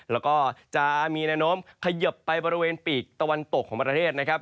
แล้วก็จะมีแนวโน้มขยิบไปบริเวณปีกตะวันตกของประเทศนะครับ